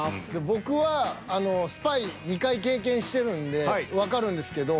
僕はスパイ２回経験してるんでわかるんですけど。